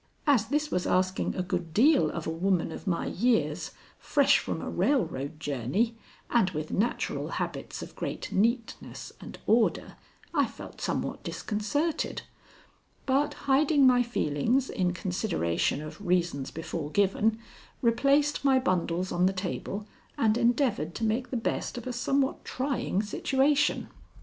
As this was asking a good deal of a woman of my years, fresh from a railroad journey and with natural habits of great neatness and order, I felt somewhat disconcerted, but hiding my feelings in consideration of reasons before given, replaced my bundles on the table and endeavored to make the best of a somewhat trying situation.